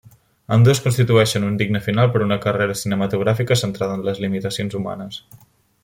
Ambdues constitueixen un digne final per una carrera cinematogràfica centrada en les limitacions humanes.